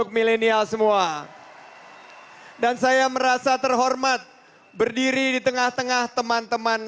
kepo itu adalah kreatif rasional dan sistematis